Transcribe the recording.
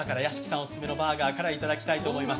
オススメのエビバーガーからいただきたいと思います。